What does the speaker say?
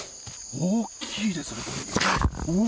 大きいですね。